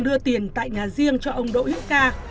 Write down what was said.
đưa tiền tại nhà riêng cho ông đỗ hữu ca